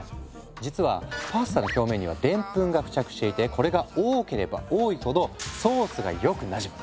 実はパスタの表面にはでんぷんが付着していてこれが多ければ多いほどソースがよくなじむ。